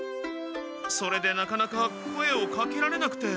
それでなかなか声をかけられなくて。